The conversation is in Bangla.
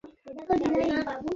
এখন তিনি ভাবছেন সেই সাপটির কথা।